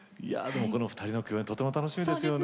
２人の共演とても楽しみですよね。